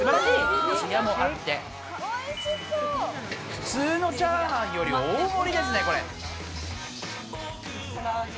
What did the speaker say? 普通のチャーハンより大盛りですね、これ。